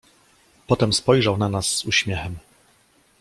"Potem spojrzał na nas z uśmiechem."